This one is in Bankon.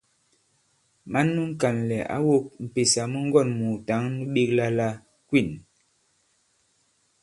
Mǎn nu ŋ̀kànlɛ̀ ǎ wōk m̀pèsà mu ŋgɔ̂n-mùùtǎŋ nu ɓēkla la Kwîn.